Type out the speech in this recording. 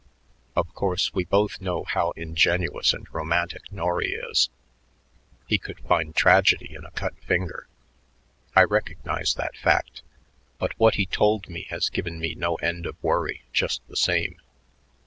Of course, we both know how ingenuous and romantic Norry is; he can find tragedy in a cut finger. I recognize that fact, but what he told me has given me no end of worry just the same.